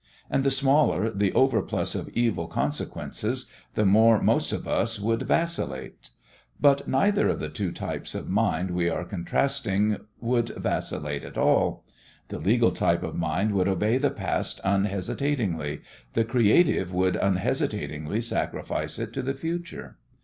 And the smaller the overplus of evil consequences the more most of us would vacillate. But neither of the two types of mind we are contrasting would vacillate at all. The legal type of mind would obey the past unhesitatingly, the creative would unhesitatingly sacrifice it to the future.